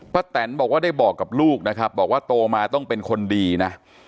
แตนบอกว่าได้บอกกับลูกนะครับบอกว่าโตมาต้องเป็นคนดีนะ